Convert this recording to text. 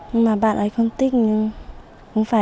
nhưng mà bạn ấy không tích